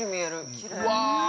きれい。